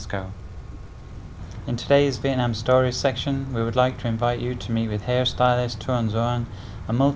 của quốc gia nghiên cứu